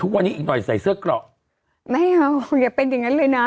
อีกหน่อยใส่เสื้อเกราะไม่เอาอย่าเป็นอย่างนั้นเลยนะ